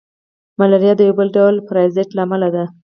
ملاریا د یو ډول پرازیت له امله ده